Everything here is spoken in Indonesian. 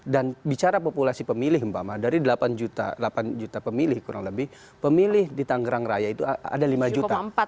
dan bicara populasi pemilih mbak ma dari delapan juta pemilih kurang lebih pemilih di tangerang raya itu ada lima juta